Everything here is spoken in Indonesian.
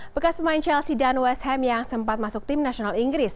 bekas pemain chelsea dan west ham yang sempat masuk tim nasional inggris